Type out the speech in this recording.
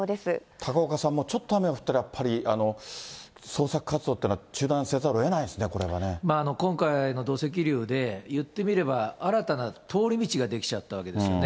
高岡さん、ちょっと雨が降ったらやっぱり、捜索活動というのは中断せざるを今回の土石流で、いってみれば、新たな通り道が出来ちゃったわけですよね。